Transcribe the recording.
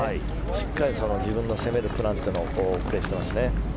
しっかり自分の攻めるプランというのをプレーしていますね。